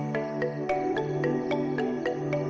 maka kehidupan berlangsung